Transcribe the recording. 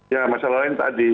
ya masalah lain tadi